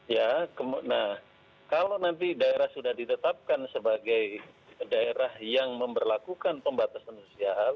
ya nah kalau nanti daerah sudah ditetapkan sebagai daerah yang memperlakukan pembatasan sosial